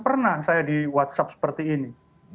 pernah saya di whatsapp seperti ini